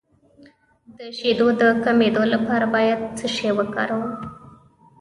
د شیدو د کمیدو لپاره باید څه شی وکاروم؟